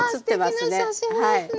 あすてきな写真ですね。